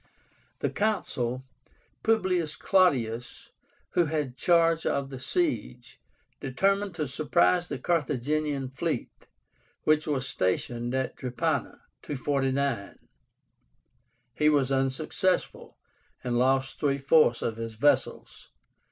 The Consul, Publius Claudius, who had charge of the siege, determined to surprise the Carthaginian fleet, which was stationed at Drepana (249). He was unsuccessful, and lost three fourths of his vessels.